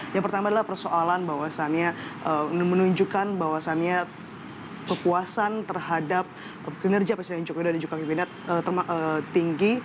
yang pertama adalah persoalan bahwasannya menunjukkan bahwasannya kepuasan terhadap kinerja presiden joko widodo dan juga kabinet tinggi